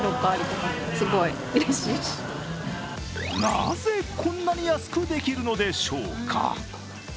なぜ、こんなに安くできるのでしょうか。